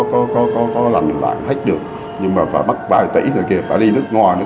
thế do vậy nên là mình phải vẫn tiếp tục đi